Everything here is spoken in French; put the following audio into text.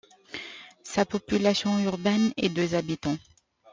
Sa population urbaine est de habitants.